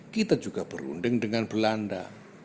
kita juga berunding dengan belanda